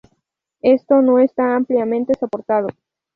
Esto no está ampliamente soportado.